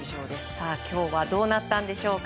さあ今日はどうなったんでしょうか。